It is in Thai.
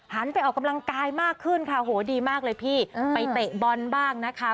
ไปออกกำลังกายมากขึ้นค่ะโหดีมากเลยพี่ไปเตะบอลบ้างนะคะ